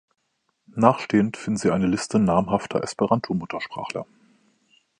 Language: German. Nachstehend finden Sie eine Liste namhafter Esperanto-Muttersprachler.